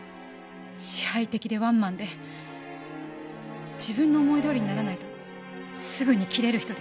支配的でワンマンで自分の思いどおりにならないとすぐに切れる人でした。